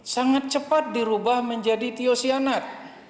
sangat cepat dirubah menjadi tiosianat